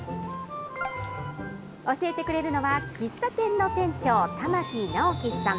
教えてくれるのは喫茶店の店長、玉置直樹さん。